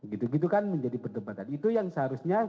gitu gitu kan menjadi perdebatan itu yang seharusnya